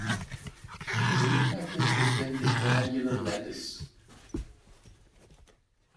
The weight lattice is then the triangular lattice.